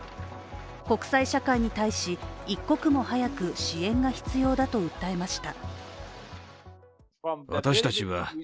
国際社会に対し一刻も早く支援が必要だと訴えました。